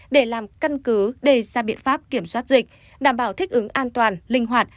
để làm căn cứ đề ra biện pháp kiểm soát dịch đảm bảo thích ứng an toàn linh hoạt